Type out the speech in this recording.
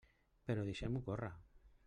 Però deixem-ho córrer.